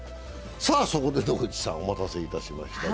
そこで野口さん、お待たせいたしました。